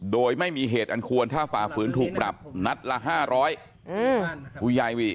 โดยไม่มีเหตุอันควรถ้าฝ่าฝืนถูกปรับนัดละ๕๐๐ผู้ใหญ่วิ